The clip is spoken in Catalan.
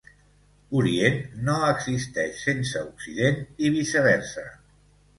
Orient no existeix sense Occident, i viceversa.